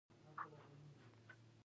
د لمر د حساسیت لپاره د لمر ضد کریم وکاروئ